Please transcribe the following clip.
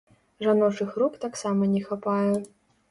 Жаночых рук таксама не хапае.